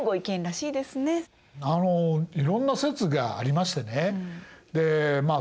あのいろんな説がありましてねでまあ